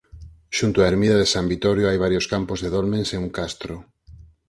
Xunto á ermida de San Vitorio hai varios campos de dolmens e un castro.